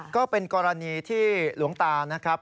ก็เป็นกรณีที่หลวงตานะครับ